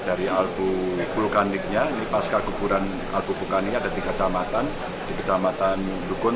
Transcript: dari albu vulkaniknya ini pasca kuburan aku bukannya ada tiga camatan di kecamatan dukun